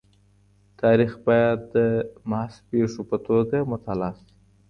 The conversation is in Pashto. تاریخ باید د محض پېښو په توګه مطالعه سي.